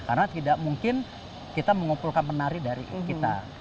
karena tidak mungkin kita mengumpulkan penari dari kita